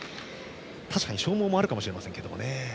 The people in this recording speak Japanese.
確かに消耗もあるかもしれませんが。